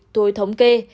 tôi thống kê